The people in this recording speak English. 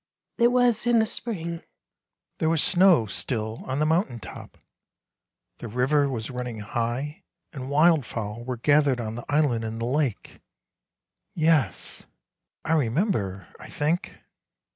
" It was in a spring." " There was snow still on the mountain top, the river was running high, and wild fowl were gathered on the island in the lake — yes, I remember, I think."